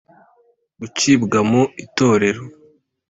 Gucibwa mu itorero